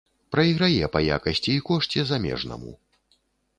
Прайграе па якасці і кошце замежнаму.